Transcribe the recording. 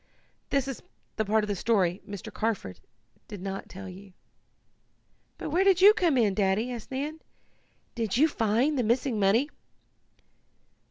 That is the part of the story Mr. Carford did not tell you." "But where do you come in, Daddy?" asked Nan. "Did you find the missing money?"